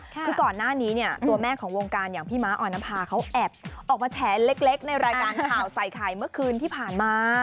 คือก่อนหน้านี้เนี่ยตัวแม่ของวงการอย่างพี่ม้าออนภาเขาแอบออกมาแฉเล็กในรายการข่าวใส่ไข่เมื่อคืนที่ผ่านมา